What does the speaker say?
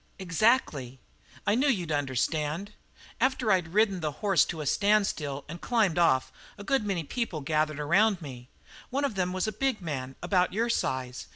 "Exactly! I knew you'd understand! After I'd ridden the horse to a standstill and climbed off, a good many people gathered around me. One of them was a big man, about your size.